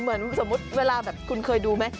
เหมือนสมมุติเวลาแบบคุณเคยดูไหม